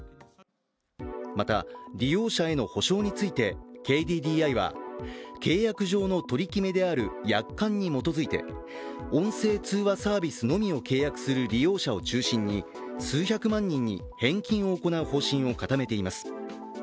また、利用者への補償についてＫＤＤＩは、契約上の取り決めである約款に基づいて音声通話サービスのみを契約する利用者を中心に数百万人に返金を行う方針を固めています。